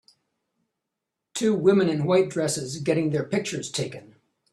Two women in white dresses getting their pictures taken